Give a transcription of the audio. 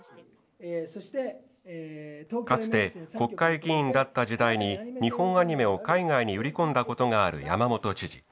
かつて国会議員だった時代に日本アニメを海外に売り込んだことがある山本知事。